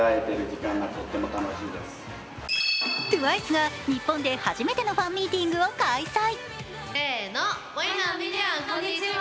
ＴＷＩＣＥが日本で初めてのファンミーティングを開催。